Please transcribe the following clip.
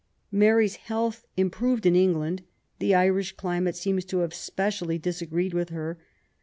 Mary's health improved in England. The Irish climate seems to have specially disagreed with her.